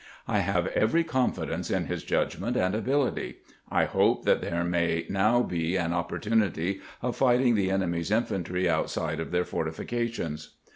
I have every confidence in his judg ment and ability. I hope that there may now be an opportunity of fighting the enemy's infantry outside of their fortifications."